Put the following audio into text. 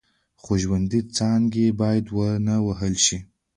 خو ژوندۍ څانګې باید ونه وهل شي.